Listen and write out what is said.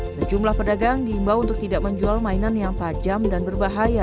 sejumlah pedagang diimbau untuk tidak menjual mainan yang tajam dan berbahaya